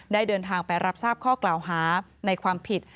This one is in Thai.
เดินทางไปรับทราบข้อกล่าวหาในความผิด